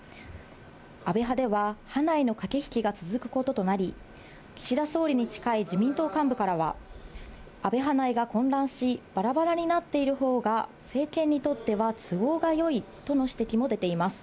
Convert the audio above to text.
安倍派では派内の駆け引きが続くこととなり、岸田総理に近い自民党幹部からは、安倍派内が混乱し、ばらばらになっているほうが政権にとっては都合がよいとの指摘も出ています。